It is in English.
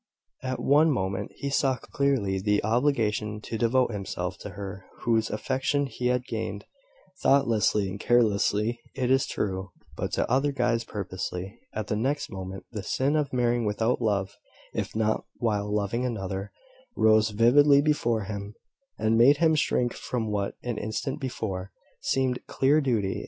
At one moment he saw clearly the obligation to devote himself to her whose affections he had gained, thoughtlessly and carelessly, it is true, but to other eyes purposely. At the next moment, the sin of marrying without love, if not while loving another, rose vividly before him, and made him shrink from what, an instant before, seemed clear duty.